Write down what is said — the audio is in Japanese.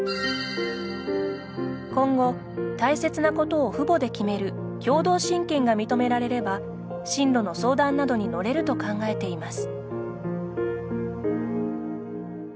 今後、大切なことを父母で決める共同親権が認められれば進路の相談などにのれると考えています。